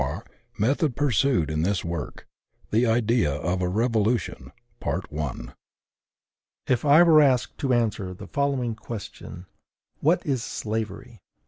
CHAPTER I. METHOD PURSUED IN THIS WORK. THE IDEA OF A REVOLUTION. If I were asked to answer the following question: WHAT IS SLAVERY?